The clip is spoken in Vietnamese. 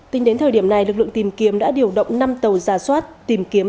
tính đến thời điểm này lực lượng tìm kiếm đã điều động năm tàu giả soát tìm kiếm